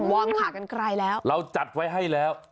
วอร์มขากันไกลแล้วเราจัดไว้ให้แล้ว